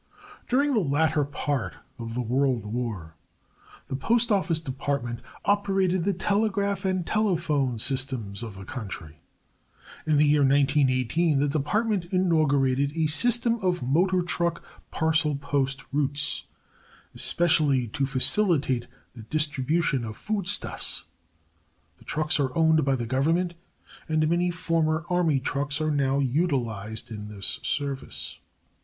During the latter part of the World War the Postoffice Department operated the telegraph and telephone systems of the country. In the year 1918 the Department inaugurated a system of motor truck parcel post routes, especially to facilitate the distribution of food stuffs. The trucks are owned by the Government and many former Army trucks are now utilized in this service.